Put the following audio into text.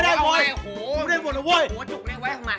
รันนี้นายอยู่ในที่อะไรอะ